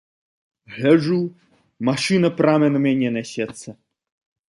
Гляджу, машына прама на мяне нясецца.